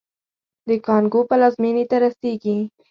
د کانګو پلازمېنې ته رسېږي.